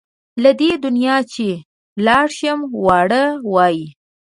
له دې دنیا چې لاړ شم واړه وایي.